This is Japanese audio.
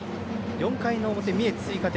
４回の表、三重、追加点。